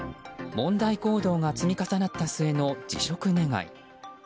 問題行動が積み重なった末の辞職願。